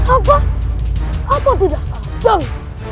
apa apa tidak salah kamu